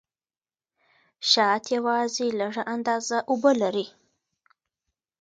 شات یوازې لږه اندازه اوبه لري.